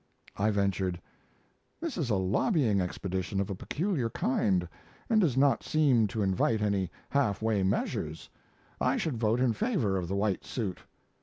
I ventured: "This is a lobbying expedition of a peculiar kind, and does not seem to invite any half way measures. I should vote in favor of the white suit."